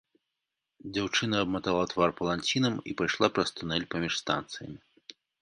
Дзяўчына абматала твар паланцінам і пайшла праз тунэль паміж станцыямі.